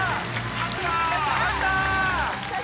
・勝った！